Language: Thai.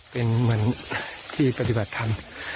เป็นเหมือนที่ปฏิบัติธรรม